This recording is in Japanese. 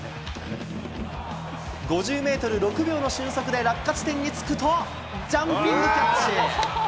５０メートル６秒の俊足で落下地点に着くと、ジャンピングキャッチ。